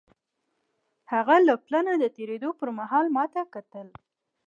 له پله نه د تېرېدو پر مهال یې ما ته کتل.